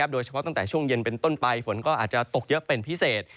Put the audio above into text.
โดยเฉพาะตั้งแต่ช่วงเย็นเป็นต้นไปฝนก็อาจจะตกเยอะเป็นพิเศษ